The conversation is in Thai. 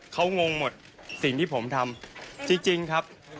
เขางงหมดสิ่งที่ผมทำจริงครับ